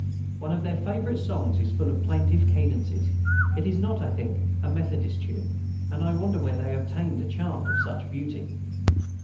One of their favorite songs is full of plaintive cadences; it is not, I think, a Methodist tune, and I wonder where they obtained a chant of such beauty.